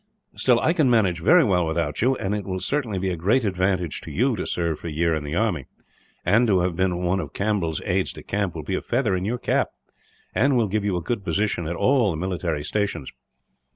Still, I can manage very well without you, and it will certainly be a great advantage to you to serve for a year in the army; and to have been one of Campbell's aides de camp will be a feather in your cap, and will give you a good position at all the military stations.